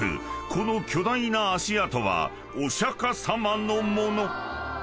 この巨大な足跡はお釈迦様のもの］